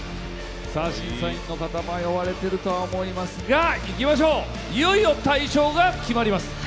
審査員の方迷われてるとは思いますがいよいよ大賞が決まります。